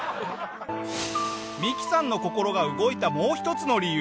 ミキさんの心が動いたもう一つの理由。